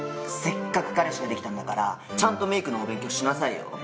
せっかく彼氏ができたんだからちゃんとメークのお勉強しなさいよ。